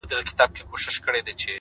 o ماته زارۍ كوي چي پرېميږده ه ياره ـ